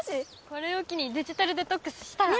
これを機にデジタルデトックスしたら？